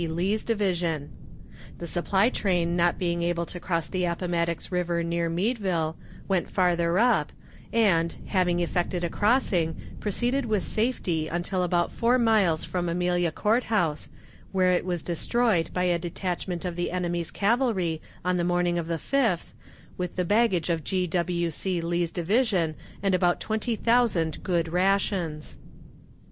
Lee's division. The supply train not being able to cross the Appomattox River near Meadville, went farther up, and, having effected a crossing, proceeded with safety until about four miles from Amelia Court House, where it was destroyed by a detachment of the enemy's cavalry on the morning of the 5th, with the baggage of G. W. C. Lee's division and about twenty thousand good rations.